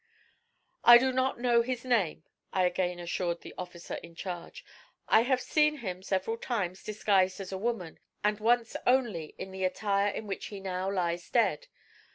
'I do not know his name,' I again assured the officer in charge. 'I have seen him several times disguised as a woman, and once only in the attire in which he now lies dead.